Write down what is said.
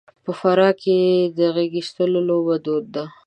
په فراه کې د غېږاېستلو لوبه دود ده.